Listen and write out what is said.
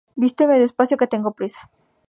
Vísteme despacio, que tengo prisa